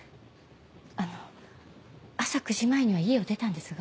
あの朝９時前には家を出たんですが。